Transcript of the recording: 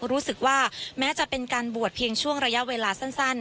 รู้สึกว่าแม้จะเป็นการบวชเพียงช่วงระยะเวลาสั้น